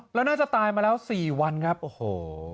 แล้วน่าจะตายมาแล้ว๔วันครับโอ้โห